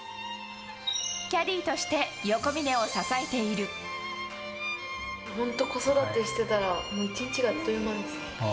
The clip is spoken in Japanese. キャディーとして横峯を支えてい本当、子育てしてたら、もう１日があっという間ですね。